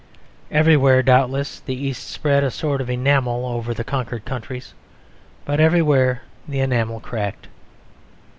Everywhere, doubtless, the East spread a sort of enamel over the conquered countries, but everywhere the enamel cracked.